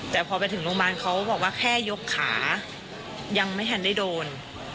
แต่พอไปถึงโรงพยาบาลเขาบอกว่าแค่ยกขายังไม่ทันได้โดน